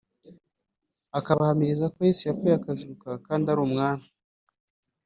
akabahamiriza ko Yesu yapfuye akazuka kandi ko ari Umwami